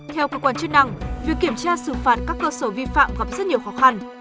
theo cơ quan chức năng việc kiểm tra xử phạt các cơ sở vi phạm gặp rất nhiều khó khăn